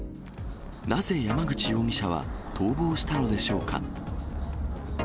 なぜ、山口容疑者は逃亡したのでしょうか。